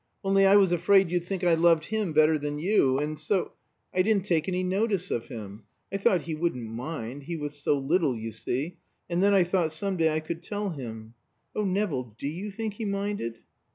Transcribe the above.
Only I was afraid you'd think I loved him better than you, and so I didn't take any notice of him. I thought he wouldn't mind he was so little, you see; and then I thought some day I could tell him. Oh, Nevill do you think he minded?"